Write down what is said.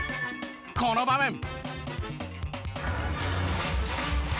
この場面。